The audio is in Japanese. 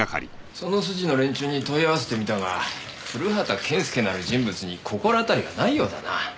その筋の連中に問い合わせてみたが古畑健介なる人物に心当たりはないようだな。